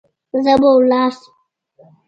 زه به لاړ سم.